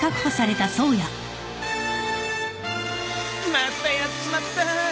またやっちまった！